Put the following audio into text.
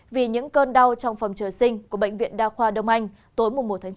vì những cơn đau trong phòng trời sinh của bệnh viện đa khoa đông anh tối một chín